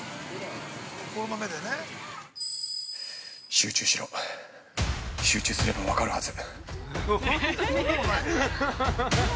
集中しろ、集中すれば分かるはず。